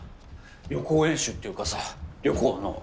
予行演習っていうかさ旅行の。